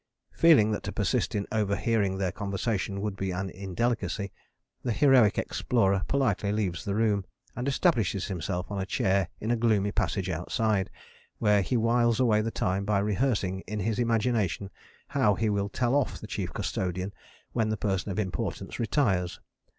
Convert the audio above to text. Feeling that to persist in overhearing their conversation would be an indelicacy, the Heroic Explorer politely leaves the room, and establishes himself on a chair in a gloomy passage outside, where he wiles away the time by rehearsing in his imagination how he will tell off the Chief Custodian when the Person of Importance retires.